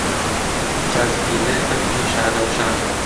فاتمیلێ بەفری شانەوشان